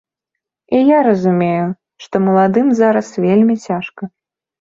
І я разумею, што маладым зараз вельмі цяжка.